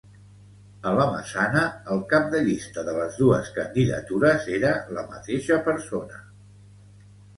A la Massana, el cap de llista de les dues candidatures era la mateixa persona.